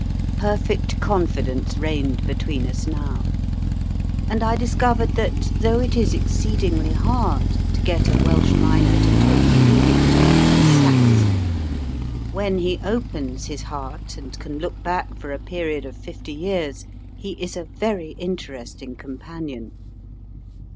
Perfect confidence reigned between us now, and I discovered that, though it is exceedingly hard to get a Welsh miner to talk freely to "a Saxon," when he opens his heart, and can look back for a period of fifty years, he is a very interesting companion.